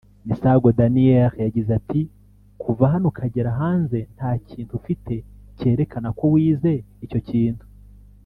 Misago Daniel yagize ati” Kuva hano ukagera hanze ntakintu ufite cyerekana ko wize icyo kintu